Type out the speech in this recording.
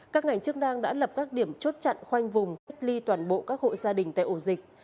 các ngành chức năng đã lập các điểm chốt chặn khoanh vùng cách ly toàn bộ các hộ gia đình tại ổ dịch